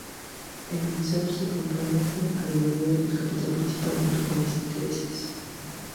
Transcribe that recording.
El emisor se compromete a devolver el capital principal junto con los intereses.